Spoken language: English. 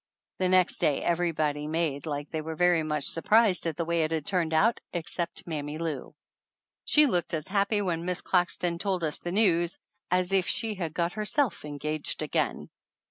The next day everybody made like they were very much surprised at the way it had turned out except Mammy Lou. She looked as happy when Miss Claxton told us the news as if she had got herself engaged again.